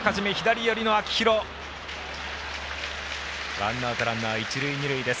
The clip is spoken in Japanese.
ワンアウトランナー、一塁二塁です。